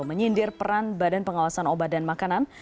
menyindir peran badan pengawasan obat dan makanan